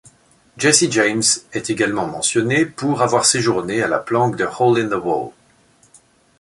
Jesse James est également mentionné pour avoir séjourné à la planque de Hole-in-the-Wall.